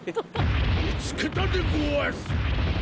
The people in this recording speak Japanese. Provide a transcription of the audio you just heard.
見つけたでごわす！